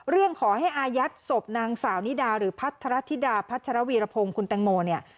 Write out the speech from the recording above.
เรื่องขอให้อาญัติศพนางสาวนิดาหรือพัทรธิดาพัทรวีรพงศ์คุณแต่งโม